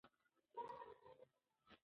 په تیر پسې افسوس مه کوئ.